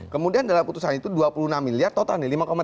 kemudian dalam putusan itu dua puluh enam miliar total nih